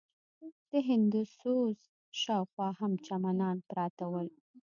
د هندوسوز شاوخوا هم چمنان پراته ول.